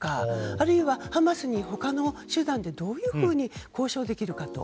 あるいはハマスに他の手段でどういうふうに交渉できるかと。